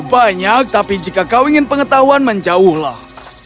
banyak tapi jika kau ingin pengetahuan menjauhlah